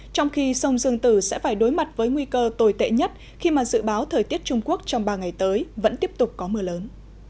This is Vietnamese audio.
trong khi sông dương tử sẽ phải đối mặt với nguy cơ tồi tệ nhất khi mà dự báo thời tiết trung quốc trong ba ngày tới vẫn tiếp tục có mưa lớn